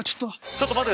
ちょっと待って。